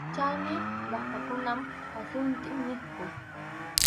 Chaymi llaqtakunap hasut’in niqku.